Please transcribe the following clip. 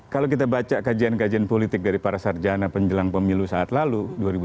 kalau kita baca kajian kajian politik dari para sarjana penjelang pemilu saat lalu